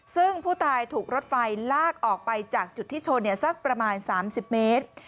ซึ่งผู้ตายถูกรถไฟลากออกไปจากจุดที่ชนสักประมาณ๓๐เมตร